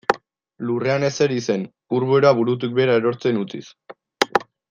Lurrean ezeri zen ur beroa burutik behera erortzen utziz.